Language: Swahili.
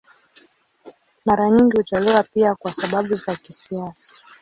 Mara nyingi hutolewa pia kwa sababu za kisiasa.